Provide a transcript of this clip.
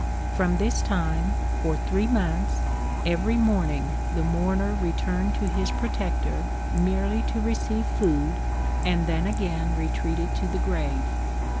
From this time, for three months, every morning the mourner returned to his protector merely to receive food, and then again retreated to the grave.